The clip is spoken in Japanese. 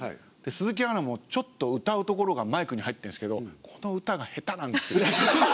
鈴木アナもちょっと歌うところがマイクに入ってるんですけどこの歌が下手なんですよ。